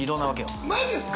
マジですか。